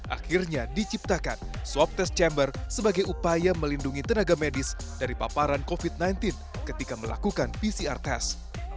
akhirnya diciptakan swab test chamber sebagai upaya melindungi tenaga medis dari paparan covid sembilan belas ketika melakukan pcr test